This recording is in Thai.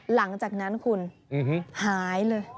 หลังจากนั้นคุณหายเลย